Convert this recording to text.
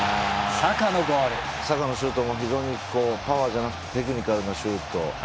サカのシュートも非常にパワーじゃなくてテクニカルなシュート。